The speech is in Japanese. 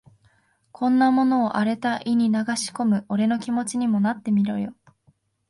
こんなものを荒れた胃に流し込む俺の気持ちにもなってみろよ。